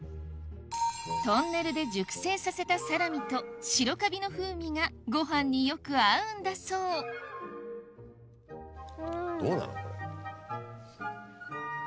トンネルで熟成させたサラミと白カビの風味がご飯によく合うんだそうどうなのこれ。